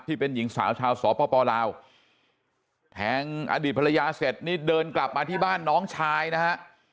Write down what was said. ที่เป็นหญิงสาวชาวสปลาวแทงอดีตภรรยาเสร็จนี่เดินกลับมาที่บ้านน้องชายนะฮะ